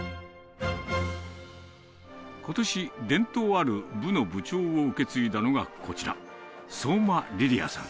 ことし、伝統ある部の部長を受け継いだのがこちら、相馬りりあさん。